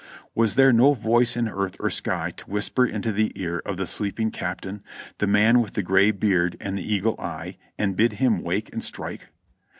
Was there no voice in earth or sky to whisper into the ear of the sleeping Captain, the man with the gray beard and the eagle eye, and bid him wake and strike